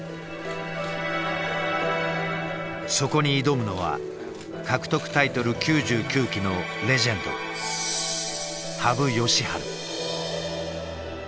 そこに挑むのは獲得タイトル９９期のレジェンド羽生善治。